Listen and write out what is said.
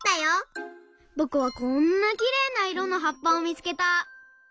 ぼくはこんなきれいないろのはっぱをみつけた！